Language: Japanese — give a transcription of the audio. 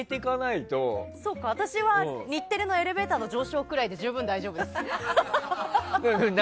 私は日テレのエレベーターの上昇くらいで十分、大丈夫です。